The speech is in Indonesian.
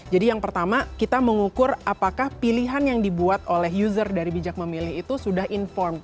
jadi yang pertama kita mengukur apakah pilihan yang dibuat oleh user dari bijak memilih itu sudah inform